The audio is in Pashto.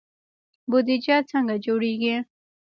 بودجه څنګه جوړیږي؟